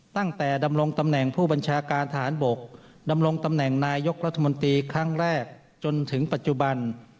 ตั้งแต่ดำรงตำแหน่งผู้บัญชาการทหารบกดำรงตำแหน่งนายกรัฐมนตรีครั้งแรกจนถึงปัจจุบัน